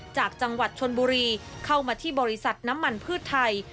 จากจังหวัดชนบุรีเข้ามาที่บริษัทน้ำมันพืชไทย